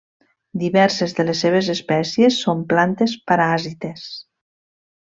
Diverses de les seves espècies són plantes paràsites.